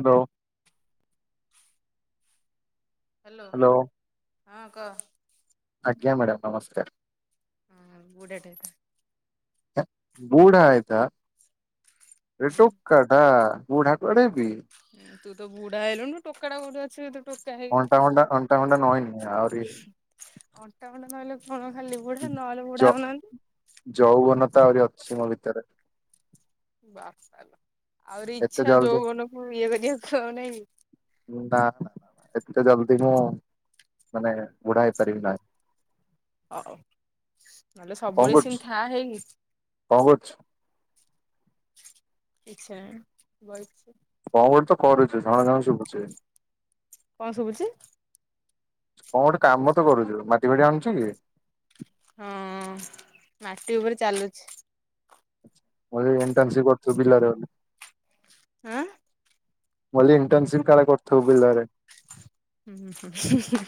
Hello. Hello ହଁ କହ। ଆଜ୍ଞା ମାଡ଼ାମ ନମସ୍କାର। ହୁଁ ବୁଢ଼ା ଟେ ହେଇଥା। ବୁଢ଼ା ଆଏଥା ରେ ଟୋକାଟା। ବୁଢା କୁଆଡେକି? ହୁଁ ତୁ ତ ବୁଢା ହେଲୁଣୁ ଟୋକାଟା କୋଉଟି ଅଛି କି ତୁ ଟୋକା ହେଇକି। ଅଣ୍ଟା ଘଣ୍ଟା ଅଣ୍ଟା ଫଣ୍ଟା ନଇଁନି ଆଉରି ଅଣ୍ଟା ଫଣ୍ଟା ନଇଁଲେ କଣ ଖାଲି ବୁଢା ନହେଲେ ବୁଢା ହଉନାହାନ୍ତି। ଯୌଉବନତା ଆହୁରି ଅଛି ମୋ ଭିତରେ। ବାପାଲୋ ଆହୁରି ଏତେ ଇଚ୍ଛା ଜଲଦି ଯୋଉବନକୁ ଇଏ କରିବାକୁ ଆଉ ନାଇଁକି? ଉଁ ଦା ନା ଏତେ ଜଲଦି ମୁଁ ମାନେ ବୁଢା ହେଇପାରିବି ନାଇଁ। ହଉ ନହେଲେ କଣ ସବୁବେଳେ କରୁଛୁ ସେମିତି ଥା ହେଇନି। କଣ କରୁଛୁ? କିଛି ନାଇଁ ବଇଚି। କଅଁ ଗୋଟେ ତ କରୁଚୁ? ଝଣ ଝଣ ସୁବୁଚି। କଣ ଶୁଭୁଚି? କଅଁ ଗୋଟେ କାମ ତ କରୁଚୁ ମାଟି ଫାଟି ହାଣୁଚୁ କି? ହଁ ମାଟି ଉପରେ ଚାଲୁଛି। ମୁଁ ଏବେ ଏଣ୍ଟ୍ରାନସିପ୍ କରୁଥୁବୁ ପିଲାର ଆଁ। ମୁଁ କଇଲି ଇଣ୍ଟନସିପ୍ କାଳେ କରୁଥୁବୁ ବିଲରେ। ଉଁ ହୁଁ ହୁଁ ହୁଁ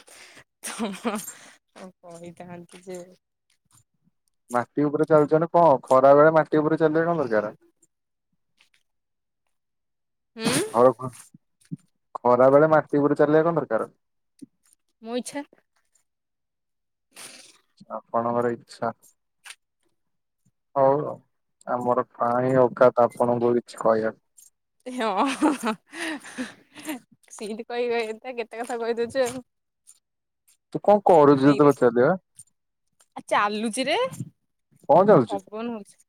ହୁଁ ତମ କଇଥାନ୍ତି ଯେ ମାଟି ଉପରେ ଚାଲୁଚନ୍ତି କଣ ଖରା ବେଳେ ମାଟି ଉପରେ ଚାଲିବା କଣ ଦରକାର? ହୁଁ ଆଉ କ ଖରା ବେଳେ ମାଟି ଉପରେ ଚାଲିବା କଣ ଦରକାର? ମୋ ଇଚ୍ଛା। ଆପଣଙ୍କର ଇଚ୍ଛା। ହଉ ଆଉ ଆମର କାଇଁ ଓକାତ ଆପଣଙ୍କୁ କିଛି କହିବାକୁ। ହଁ ହଁ ହଁ ହେଁ ହେଁ ସେଇଟି କଇବେ କେତେ କେତେ କଥା କଇଦଉଚୁ ଆଉ। ତୁ କଣ କରୁଚୁ ନାଇଁରେ। ତତେ ପଚାରିଲିପା। ଆ ଚାଲୁଚିରେ କଣ ଚାଲୁଛୁ? ପବନ ହଉଛି।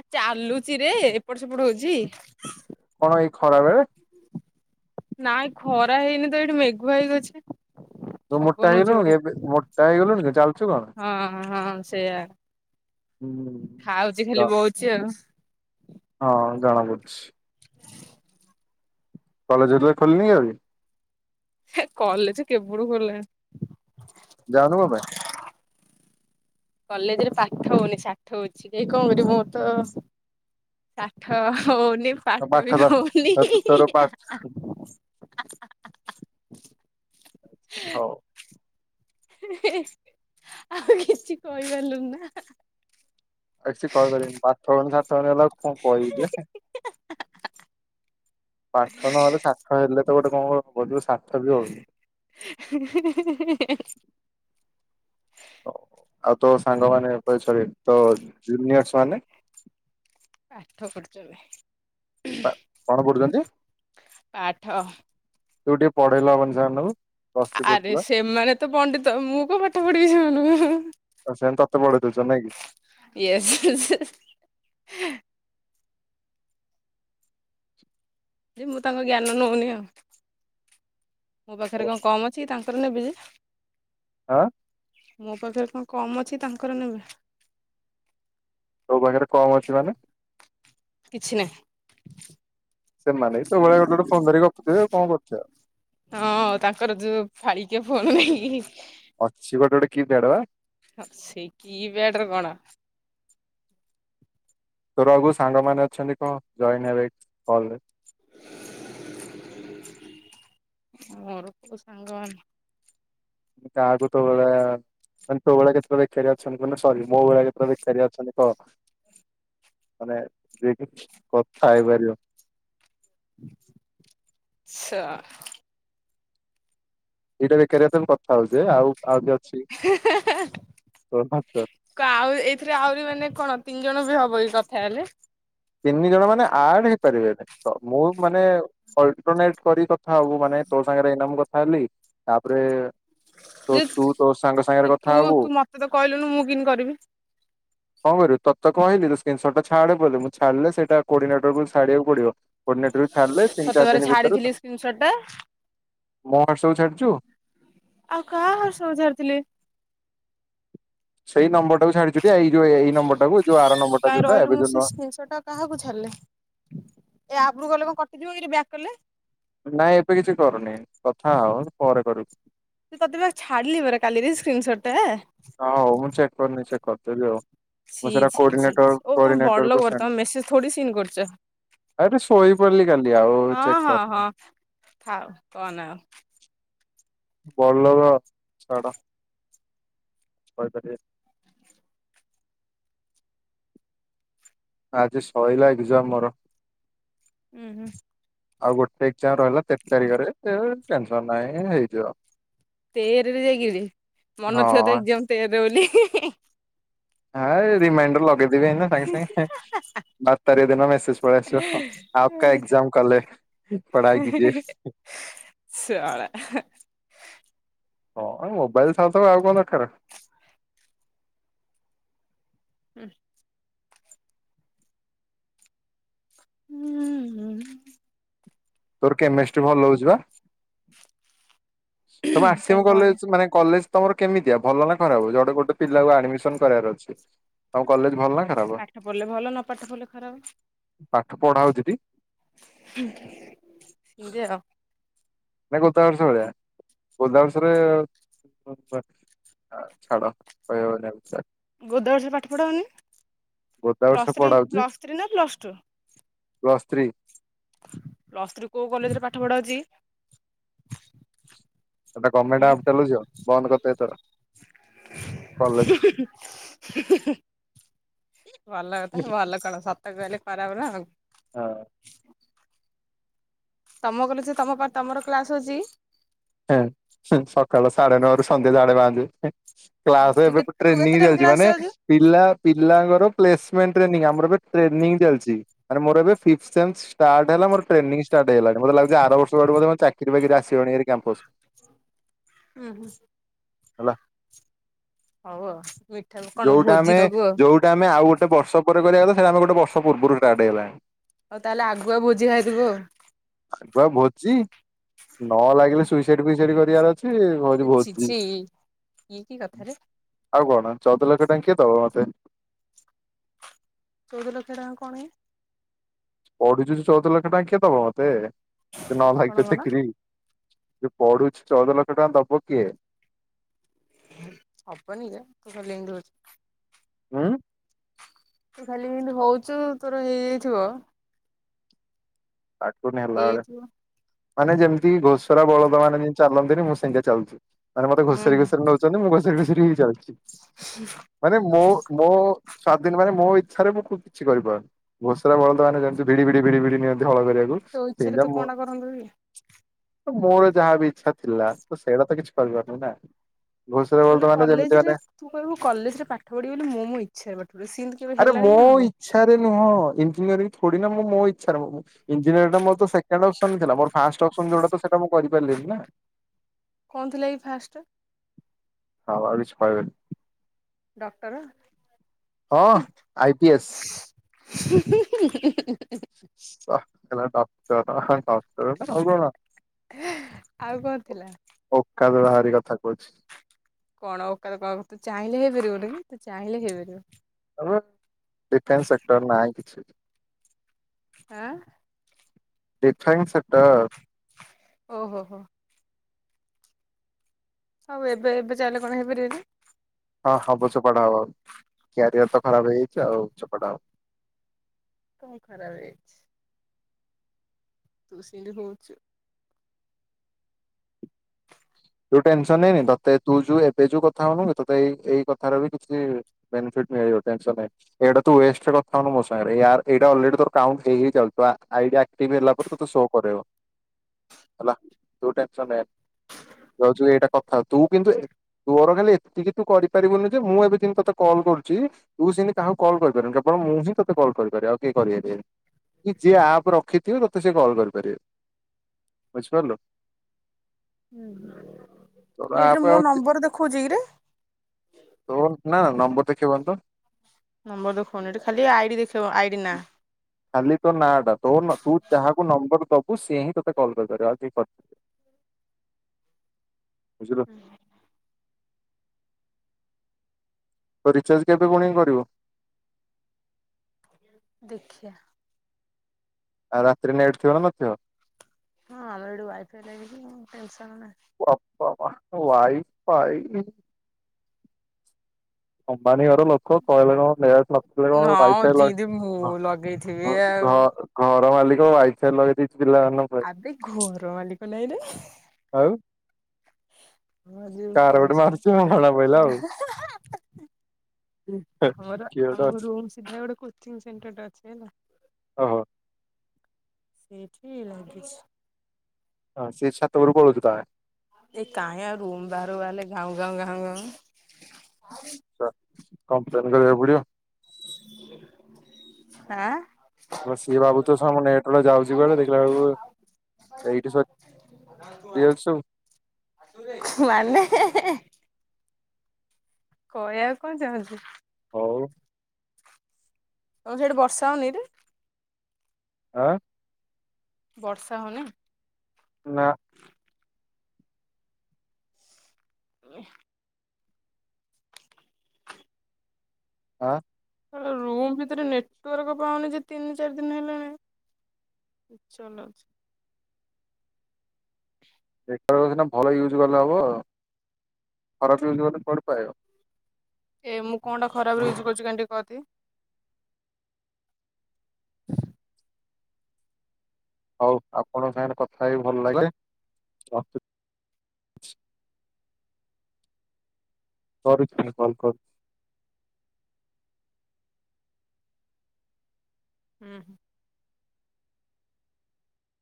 ଆ ଚାଲୁଚି ରେ ଏପଟ ସେପଟ ହଉଚି। କଣ ଏଇ ଖରା ବଳେ? ନାଇଁ ଖରା ହେଇନି ତ ଏଇଠି ମେଘୁଆ ହେଇକି ଅଛି। ତୁ ମୋଟା ପବନ ହେଇଗଲୁଣୁ କି ଯୋଡେ ଏବେ ମୋଟା ହେଇଗଲୁଣି କି ଚାଲୁଛୁ କଣ? ହଁ ହଁ ସେଇୟା। ହୁଁ। ଖାଉଚି ଖାଲି ବୋଉଚି ଆଉ। ହଁ ଜଣା ପଡୁଛି। କଲେଜ ଏରିଆ ଖୋଲିନି ଏବେ? ଏ କଲେଜ କେବେଠୁ ଖୋଲିଲାଣି। ଯାଉନୁ କଁ ପାଇଁ? କଲେଜରେ ପାଠ ହଉନି ସାଠ ହଉଛି ଯାଇ କଣ କରିବୁ ମୋ ତ ଷାଠ ହଉନି ଆଉ ପାଠ ବି ତ ହଉନି। ତୋ ତୋର ହା ପାଠ ହା ହା ହା। ହଉ। ଆଉ କିଛି କହିପାରିଲୁ ନା। କିଛି କହିପାରିବିନି ପାଠ ହଉନି ସାଠ ହଉନି ହେଲାକୁ କଣ କହିବି ଯେ। ପାଠ ନହେଲେ ଷାଠ ହେଲେ ତ ଗୋଟେ କଣ କରିବ ଷାଠବି ହେଉନି। ହିଁ ହିଁ ହିଁ ହିଁ। ଆଉ ତୋ ସାଙ୍ଗମାନେ [unintelligible] ତୋ ଜୁନିୟର୍ସ ମାନେ। ପାଠ ପଢୁଛନ୍ତି। କଣ ପଢୁଛନ୍ତି ପାଠ ତୁ ଟିକେ ପଢେଇଲେ ହେବନି ସେମାନଙ୍କୁ। ପ୍ଲସ ଥ୍ରୀ ଆରେ ପଢୁଥିଲ ସେମାନେ ତ ପଣ୍ଡିତ ମୁଁ କଣ ପାଠ ପଢିବି ସେମାନଙ୍କୁ। ଆଉ ସେମ୍ ତତେ ପଢେଇ ଦଉଛନ୍ତି ନାଇଁ କି। ଏୟସ୍। ଯେ ମୁଁ ତାଙ୍କ ଜ୍ଞାନ ନେଉନି ଆଉ। ମୋ ପାଖରେ କଣ କମ୍ ଅଛି କି ତାଙ୍କର ନେବି ଯେ। ଆ, ମୋ ପାଖରେ କଣ କମ୍ ଅଛି ତାଙ୍କର ନେବେ। ତୋ ପାଖରେ କମ ଅଛି ମାନେ? କିଛି ନାହିଁ। ସେମାନେ ତୋ ଭଳିଆ ଗୋଟେ ଗୋଟେ ଫୋନ ଧରିକି ଗପୁଥିବେ କଣ କରୁଥିବେ। ହଁ ତାଙ୍କର ଯୋଉ ଫାଳିକିଆ ଫୋନ ନାଇଁ କି। ଅଛି ଗୋଟେ ଗୋଟେ କି ପ୍ୟାଡ଼ ବା। ଅଛି କି ପ୍ୟାଡ଼ ରେ କଣ। ତୋର ଆଉ କୋଉ ସାଙ୍ଗ ମାନେ ଅଛନ୍ତି କହ ଜଏନ୍ ହେବେ କଲରେ? ମୋର କଉ ସାଙ୍ଗମାନେ। ତାକୁ ତୋ ଭଳିଆ-ଆ-ଆ-ଆ ମାନେ ତୋ ଭଳିଆ କେତେଟା ବେକାରିଆ ଅଛନ୍ତି ମାନେ ସରି ମୋ ଭଳିଆ କେତେଟା ବେକାରିଆ ଅଛନ୍ତି କହ? ମାନେ ଯିଏକି କଥା ହେଇପାରିବ। ଆଛା। ଏଇଟା ବେକାରିଆ ତ ମୁଁ କଥା ହଉଛି ଏ ଆଉ ଆଉ କିଏ ଅଛି? ହେ ହେ ହେ। ତୋ କ ଆଉ ଏଇଥିରେ ଆହୁରି ମାନେ କଣ ତିନି ଜଣ ବି ହବ ଏ କଥା ହେଲେ। ତିନି ଜଣ ମାନେ ଆଡ୍ ହେଇପାରିବନି। ତ ମୁଁ ମାନେ ଅଲଟରନେଟ କରି କଥା ହବୁ ମାନେ ତୋ ସାଙ୍ଗରେ ଏଇନା ମୁ କଥା ହେଲି। ତାପରେ-ଏ-ଏ-ଏ ତ ଯେ ତୁ ତୋ ସାଙ୍ଗ ଯେ ସାଙ୍ଗରେ ତୁ କଥା ହବୁ। ତୁ ମତେ ତ କହିଲୁନୁ ମୁଁ କିନ୍ତି କରିବି କଣ କରିବି ତତେ ତ କହିଲି ଯେ ସ୍କ୍ରିିନସଟ୍ ଛାଡେ ବୋଲି ମୁଁ ଛାଡ଼ିଲେ ସେଇଟା କୋଡିନେଟରକୁ ଛାଡ଼ିବାକୁ ପଡିବ। କୋଡିନେଟରକୁ ଛାଡିଲେ ତିନି ତତେ ଚାରି ପରା ଦିନ ଭିତରୁ, ଛାଡିଥିଲି ସ୍କ୍ରିନସଟ ଟା ମୋ ହ୍ୱାଟ୍ସପ୍ ଛାଡିଛୁ? ଆଉ କାହା ହ୍ୱାଟ୍ସପ୍ ସାରିଥିଲି? ସେଇ ନମ୍ବର ଟାକୁ ଛାଡ଼ିଚୁ ଟି ଏଇ ଯଉ ଏ-ଏଇ ନମ୍ବର ଟା କୁ ଯୋଉ ଆର ନମ୍ବର ଟା କାହିଁ ଯୋଉଟା ରହିଲୁ ଏବେ ମୁଁ ଯଉ ସେ ନୂଆ ସ୍କ୍ରିନସଟ ଟା କାହାକୁ ଛାଡିଲେ ଏ ଆପ୍ ରୁ ଗଲେ କଣ କଟିଯିବ କିରେ ବ୍ୟାକ୍ କଲେ? ନାଇଁ ଏବେ କିଛି କରନି କଥା ହଁ ପରେ କରିବୁ। ଏ ତତେ ବା ଛାଡ଼ିଲି ପରା କାଳିରେ ସ୍କ୍ରିନସଟ ଟା। ହଁ ହଉ ମୁଁ ଚେକ୍ କରିନି ଚେକ୍ କରିଦେବି ଆଉ। ମୁଁ ଛି ସେଟା ଛି ଛି କୋଡିନେଟର ଛି ଓ ତମେ କୋଡିନେଟରକୁ ବଡଲୋକ ପରା ତମେ ମେସେଜ ଥୋଡ଼ି ସିନ୍ କରୁଛ। ଆବେ ଶୋଇପଡିଲି କାଲି ଆଉ-ଉ-ଉ ହଁ ଚେକ୍ ହଁ କରିନି। ହଁ କହନା ଆଉ। ବଡ଼ ଲୋକ ଛାଡ଼ କିଛି କହି ପାରିବିନି। ଆଜି ଶଇଲା ଏକଜାମ ମୋର। ହୁଁ ହୁଁ ଆଉ ଗୋଟେ ଏକଜାମ ରହିଲା ତେର ତାରିଖରେ ଟେନସନ ନାହିଁ ହେଇଯିବ। ତେରରେ ଯାଇଗିରି ମନ ହଁ ଥିବ ତ ଏକଜାମ ତେରରେ ବୋଲି? ହଁ ଏ ରିମାଇଣ୍ଡର ଲଗେଇଦେବି ଏ ନା ସାଙ୍ଗେ ସାଙ୍ଗେ। ବାର ତାରିଖ ଦିନ ମେସେଜ ପଳେଇ ଆସିବ ଆଉ କା ଏକଜାମ କଲେ। ପଢ଼ାଇ କି ଯିଏ। ଶଳା ହଁଉ ମୋବାଇଲ ଥାଉ ଥାଉ ଆଉ କଣ ଦରକାର? ହୁଁ ହୁଁ ଉଁ ତୋର କେମିଷ୍ଟି ଭଲ ହଉଛିବା, ତ କାହିଁ କଣ ହେଲା [unintelligible] କଲେ ତମର କେମିତିଆ ଭଲ ନା ଖରା ହବ ଯୋଟେ ଗୋଟେ ପିଲାକୁ ଆଡମିସନ କରିବାର ଅଛି। ତମ କଲେଜ ଭଲ ନା? ଖରାପ ପାଠ ପଢ଼ିଲେ ଭଲ ନ ପାଠ ପଢ଼ିଲେ ଖରାପ। ପାଠ ପଢା ହଉଛିତି? [unintelligible] ନା ଗୋତାବର୍ଷ ଭଳିଆ ଗୋତାବର୍ଷରେ [unintelligible] ଗୋଦାବର୍ଷା ରେ ପାଠ ପଢ଼ାଉନି ଗୋଦାବର୍ଷ ପ୍ଲସ୍ ଥ୍ରୀ ପଢା ପ୍ଲସ୍ ଥ୍ରୀ ନା plus two? Plus three plus three କୋଉ କଲେଜରେ ପାଠ ପଢା ଅଛି କି? ଗମେଣ୍ଟ ଆପ୍ ଚଲାଉଛ ବନ୍ଦ କରିଦିଅ ଏଥର। କଲେଜ ଭଲ କଥା ଭଲ କଣ ସତ କହିଲେ ଖରାପ ନା ଆଉ। ହଁ। ତମ କଲେଜ ରେ ତମ ତମର କ୍ଲାସ ଅଛି? ହଁ ସକାଳ ସାଢେ ନଅ ରୁ ସନ୍ଧ୍ୟା ସାଢ଼େ ପାଞ୍ଚ। କ୍ଲାସରେ ତୁ ଏବେ କେ ତୁ କେତେ ଟ୍ରେନିଂ ଟାଇମ ଚାଲିଛି। କ୍ଲାସ ମାନେ ଯାଉଛୁ? ପିଲା ପିଲାଙ୍କର ପ୍ଲେସମେଣ୍ଟ ଟ୍ରେନିଂ ଆମର ଏବେ ଟ୍ରେନିଂ ଚାଲିଛି। ଆରେ ମୋର ଏବେ ଫହିଫ ଷ୍ଟାର୍ଟ ହେଲା ମୋର ଟ୍ରେନି ଷ୍ଟାର୍ଟ ହେଇଗଲାଣି ମତେ ଲାଗୁଛି ଆର ବର୍ଷକୁ ଚାକରି ବାକିରି ଆସିବଣି କ୍ୟାମ୍ପସ। ହୁଁ ହୁଁ। ହେଲା ହଉ ଆଉ ମିଠା କଣ ଭୋଜି ଦବୁ ଆଉ? ସେ ଆମେ ଆଉ ଗୋଟେ ବର୍ଷ ପରେ କରିବାକୁ ସେଟା ଆମେ ଗୋଟ ବର୍ଷ ପୂର୍ବରୁ ଷ୍ଟାର୍ଟ ହେଗଲାଣି। ହଉ ତାହେଲେ ଆଗୁଆ ଭୋଜିି ଖାଇଦବୁ ଆଉ। ଆଗୁଆ ଭୋଜି ନ ଲାଗିଲେ ସୁଇସାଇଡ ଫୁଇସାଇଡ କରିବାର ଅ ଛି ଘରେ ଛି ଭୋଜି ଛି ଇଏ କି କଥାରେ ଆଉ କଣ ଚଉଦ ଲକ୍ଷ ଟଙ୍କା କିଏ ଦବ ମତେ? ଚଉଦ ଲକ୍ଷ ଟଙ୍କା କଣ? [unintelligible] ପଢୁଚୁ ଯେ ଚଉଦ ଲକ୍ଷ ଟଙ୍କ କିଏ ଦବ ମତେ ନ କଣ ଭାଗ୍ୟ କଣ? ଚାକିରି। ପଢୁଛି ଚଉଦ ଲକ୍ଷ ଟଙ୍କା ଦବ କିଏ? ହବନିହେ ତୁ ଖାଲି ଏମିତି ହଉଛୁ। ହଁ ତୁ ଖାଲି ଏତି ହଉଛୁ ତୋର ହେଇଯାଇଥିବ। ପାଟୁନ ହେଲା ବଳେ ହେଇଯାଇଥିବ ମାନେ ଯେମିତି ଘୋଷରା ବଳଦ ମାନେ ଯେ ଚାଲନ୍ତିନି ମୁଁ ସେଇା ଚାଲୁଚି। ମାନେ ମତେ ହୁଁ ଘୋସାରି ଘଷରି ନଉଛନ୍ତି, ମୁଁ ଘୁସୁରି ଘଷୁରି ହେଇ ଯାଉଛି। ହୁଁ ମାନେ ମୋ ମୋ ସ୍ଵାଧୀନ ମାନେ ମୋ ଇଚ୍ଛା ରେ ମୁଁ କିଛି କରିପାରୁନି। ଘୋଷରା ବଳଦ ମାନେ ଯେମତି ଭିଡି ଭିଡି ଭିଡି ଭିଡି ନିଅନ୍ତି ହଳ କରିବାକୁ ତୋ ଇଚ୍ଛାରେ ସେଇ ତୁ ମୁଁ କଣଟା କରନ୍ତୁ କି ତ ମୋର ଯାହା ବିି ଇଚ୍ଛା ଥିଲା ତ ସେଇଟା ତ କିଛି କରିବାରନି ନା। ଘୋଷରେ ବଳଦ ବୋଲେ ମାନେ କଲେଜ୍ ଯେମିତି ମାନେ ରେ ତୁ କହିବୁ କଲେଜ୍ ରେ ପାଠ ପଢିବି ବୋଲି ମୁଁ ମୋ ଇଚ୍ଛାରେ ପାଠ ପଢିବି, ସିମିତି କେବେ ଆରେ ହେଲାଣି ନା ମୋ ହବ। ଇଚଛାରେ ନୁହଁ ଇଞ୍ଜିୟରିଂ ଥୋଡି ନା ମୁଁ ମୋ ଇଚଛାରେ ମୁଁ ଇଞ୍ଜିୟରିଂ ଟା ମୋର ତ ସେକେଣ୍ଡ ଅପ୍ସନ ଥିଲା, ମୋର ଫାଷ୍ଟ ଅପସନ୍ ଯୋଉଟା ସେଟା ମୁଁ କରିପାରିଲିନି ନା। କଣ ଥିଲା କି ଫାଷ୍ଟ ଟା? ହଉ ଆଉ କିଛି କହିବିନି। ଡକ୍ଟର? ହଁ ଆଇ ପି ଏସ୍। [inaudible] ଉୱା କହିଲା ଡକ୍ଟର ହା ଡକ୍ଟର। ର ଆଉ କଣ? ଆଉ କଣ ଥିଲା? ଓକାଦ ବାହାରି କଥା କହୁଛି। କଣ ଓକାଦ କଣ ତୁ ଚାହିଁଲେ ହେଇପାରିବୁନି କି? ତୁ ଚାହିଁଲେ ହେଇପାରିବୁ? ଡିଫେନ୍ସ ସେକ୍ଟର ନାହିଁ କିଛି। ଆଁ। Defence sector. ଓହୋ ହୋ। ଆଉ ଏବେ ଏବେ ଚାହିଁଲେ କଣ ହେଇପାରିବାନି? ହଁ ହବ ଚୋପାଟା ହବ ଆଉ। କ୍ୟାରିଅର ତ ଖରାପ ହେଇଯାଇଛି ଆଉ ଚୋପାଟା ହବ। କଣ ଖରାପ ହେଇଛି? ତୁ ସେମିତି ହୋଉଚୁ। ତୁ ଟେନସନ୍ ନେନି ତତେ ତୁ ଯୋଉ ଏବେ ଯୋଉ କଥା ହଉନୁ ତତେ ଏଇ କଥାର ବି କିଛି ବେନିଫିଟ୍ ମିଳିବ ଟେନସନ୍ ନେନି। ଏଇଟା ତୁ ୱେଷ୍ଟ ରେ କଥା ହଉନୁ ମୋ ସାଙ୍ଗରେ, ଏଆର ଏଇଟା ଅଲ୍ରେଡି ତୋର କାଉଣ୍ଟ ହେଇ ହେଇ ଚାଲୁଚି ତୋ ଆଇଡି ଆକ୍ଟିଭି ହେଲା ପରେ ତତେ ଶୋ କରେଇବ ହେଲା। ତୁ ଟେନସନ୍ ନେନି। ତୁ ଭାବୁଛୁ ଏଇଟା କଥା ହୋଉ, ତୁ କିନ୍ତୁ ତୋର ଖାଲି ଏତିକି ତୁ କରିପାରିବୁନୁ ଯେ ମୁଁ ଏବେ ଯେମିତି ତୋତେ କଲ୍ କରୁଛି ତୁ ସେମିତି କାହାକୁ କଲ୍ କରିପାରିବୁନି କେବଳ ମୁଁ ହିଁ ତତେ କଲ୍ କରିପାରିବି। ଆଉ କେହି କରିପାରିବେନି। କି ଯିଏ ଆପ୍ ରଖିଥିବେ ତତେ ସେ କଲ୍ କରିପାରିବେ ବୁଝିପାରିଲୁ? ତୋର ହୁଁ। ଏଥିରେ ଆପ୍ ଆଉ ମୋ ନମ୍ବର ଦେଖଉଛି କିରେ? ତୋ ନା ନା ନମ୍ବର ଦେଖେଇବନିତ। ନମ୍ବର ଦେଖଉନି ଏଠି ଖାଲି ଆଇଡି ଦେଖେଇବ ଆ ଖାଲି ତ ନାଟା ତୋ ତୁ ଯାହାକୁ ନମ୍ବର ଦବୁ ସିଏ ହିଁ ତତେ କଲ୍ କରିିପାରିବ। ଆଉ କେହି କରି ବୁଝି ତୋ ରିଚାର୍ଜ କେବେ ପୁଣି କରିବ? ଦେଖିଆ। ଆଉ ରାତିରେ ନେଟ୍ ଥିବ ନା ନଥିବ? ହଁ ଆମର ଏଠି ୱାଇଫାଇ ଲାଗିଛି। ଟେନସନ୍ ନାହିଁ। ବାପ ମା ୱାଇ ଫାଇ। ଅମ୍ବାନୀ ଘର ଲୋ କ, କହିଲେ କଣ ହବ ନେଟ୍ ନଥିଲେ କଣ ହବ, ୱାଇ ହଁ ଫାଇ ଯେମିତି ମୁଁ ଲଗେଇଥିବି ଲାଗିଛି। ଆଉ। ହଁ ଘର ମାଲିକ ୱାଇଫାଇ ଲଗେଇ ଦେଇେଛି ପିଲାମାନଙ୍କ ପାଇଁ। ଆବେ ଘର ମାଲିକ ଆଉ ହ ଯୋଉ କାର ପଡି ଗୋଟେ ସା ମାରୁଛି ଆଉ କାମ ଜଣା ପଇଲା ଆଉ। ଆମର କିଏ ଗୋଟେ ଆମ ଅଛି ରୁମ୍ ସିଧା ଗୋଟେ କୋଚିଂ ସେଣ୍ଟର ଟା ଅଛି ହେଲା। ଓହୋ। ସେଇଠି ଲାଗିଛି। ହଁ ସେ ଛାତ ଉପରକୁ ପଳଉଛୁ ତାହେଲେ। ଏ କାଇଁ ଆଉ ରୁମ୍ ବାହାରକୁ ବାହାରିଲେ ଘାଉଁ, ଘାଉଁ, ଘାଉଁ ଆଛା କମ୍ପ୍ଲେନ କରିବାକୁ ପଡିବ। ଆଁ। ଶଳା ସିଏ ଭାବୁଥିବ ଶଳା ମୋ ନେଟ୍ ଗୁଡା ଯାଉଛି କୁଆଡେ, ଦେଖିଲା ବେଳକୁ ଏଇଠି [unintelligible] ମାନେ? କହିବାକୁ କଣ ଚାହୁଁଛୁ? ହଉ [unintelligible] ସେଇଠି ବର୍ଷା ହଉନିରେ? ଆଁ? ବର୍ଷା ହଉନି? ନା। ହ ଆଁ? ରୁମ୍ ଭିତରେ ନେଟୱାର୍କ ପାଉନି ଯେ ତିନି ଚାରି ଦିନ ହେଲାଣି [unintelligible] ନେଟୱର୍କ ସିନା ଭଲ ୟୁଜ୍ କଲେ ହବ ଆଉ ଖରାପ ୟୁଜ୍ କଲେ ଖରାପ ୟୁଜ୍ କଲେ କୁଆଡୁ ପାଇବ? ଏ ମୁ କଣ ଟା ଖରାପରେ ୟୁଜ କରୁଛି କାଇଁ ଟିକେ କହତି? ହଉ ଆପଣଙ୍କ ସାଙ୍ଗରେ କଥା ହେଇକି ଭଲ ଲାଗିଲା ରଖ କରୁଛି ଭଲ କରୁଛି। ହୁଁ ହୁଁ